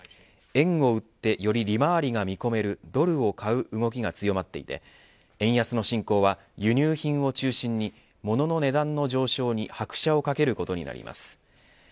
円を売ってより利回りが見込めるドルを買う動きが強まっていて円安の進行は輸入品を中心にモノの値段の上昇に拍車をかけることになります。